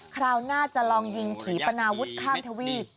คราวหน้าจะลองยิงผีปนาวุฒิข้ามทวีป